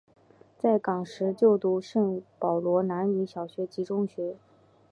在港时就读于圣保罗男女小学及中学。